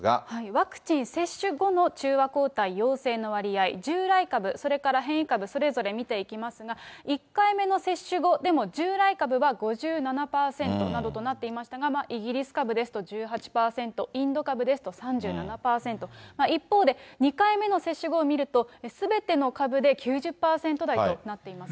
ワクチン接種後の中和抗体陽性の割合、従来株、それから変異株、それぞれ見ていきますが、１回目の接種後でも従来株は５７％などとなっていましたが、イギリス株ですと１８％、インド株ですと３７％、一方で、２回目の接種後を見ると、すべての株で９０％台となっています。